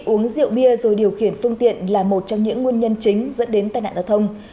uống rượu bia rồi điều khiển phương tiện là một trong những nguyên nhân chính dẫn đến tai nạn giao thông